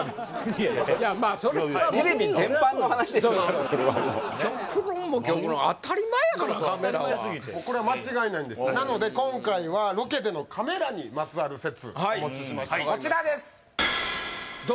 いやまあそれ極論も極論当たり前やからカメラはもうこれは間違いないんですなので今回はロケでのカメラにまつわる説お持ちしましたこちらですうん？